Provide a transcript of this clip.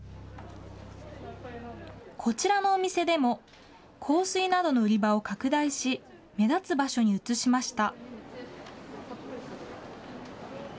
こちらのお店でも、香水などの売り場を拡大し、目立つ場所に移しました。